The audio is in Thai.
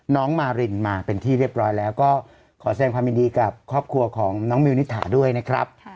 น้องมารินมาเป็นที่เรียบร้อยแล้วก็ขอแสดงความยินดีกับครอบครัวของน้องมิวนิถาด้วยนะครับ